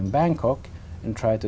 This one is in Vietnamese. nhưng tôi muốn thêm